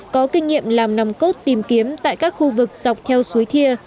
có kinh nghiệm làm nòng cốt tìm kiếm tại các khu vực dọc theo suối thia